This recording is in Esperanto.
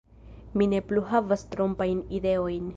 Mi ne plu havas trompajn ideojn.